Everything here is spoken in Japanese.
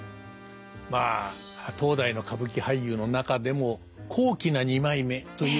まあ当代の歌舞伎俳優の中でも高貴な二枚目といえばですね